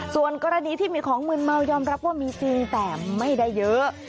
ส่วนกรณีที่มีของมืนเมายอมรับว่ามีจริงแต่ไม่ได้เยอะ